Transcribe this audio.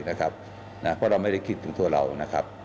เพราะเราไม่ได้คิดตรงทั่วเรา